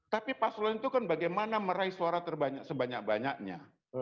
tapi paslon itu kan bagaimana meraih suara terbanyak sebanyak banyaknya